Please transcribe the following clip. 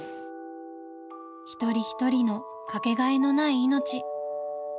一人一人の掛けがえのない命。